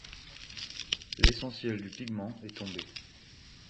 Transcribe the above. L’essentiel du pigment est tombé.